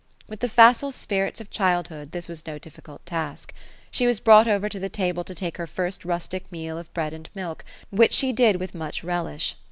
With the facile spirits of childhood, this was no difficult task. She was brought over to the table to take lier first rustic meal ot bread and milk, which she did with much relish.